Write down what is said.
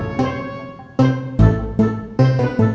ya allah salamualaikum waalaikumsalam